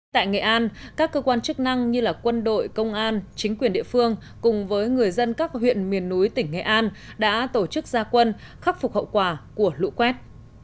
tại nghệ an các cơ quan chức năng như quân đội công an chính quyền địa phương cùng với người dân các huyện miền núi tỉnh nghệ an đã tổ chức gia quân khắc phục hậu quả của lũ quét